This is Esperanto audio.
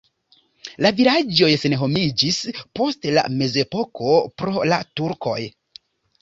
La vilaĝoj senhomiĝis post la mezepoko pro la turkoj.